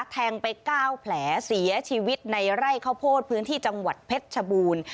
แทงไป๙แผลเสียชีวิตในไร่ข้าวโพดพื้นที่จังหวัดเพชรชบูรณ์